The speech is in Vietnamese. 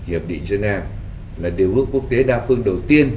hiệp định geneva là điều ước quốc tế đa phương đầu tiên